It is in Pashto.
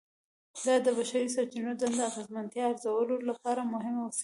دا د بشري سرچینو دندو د اغیزمنتیا ارزولو لپاره مهمه وسیله ده.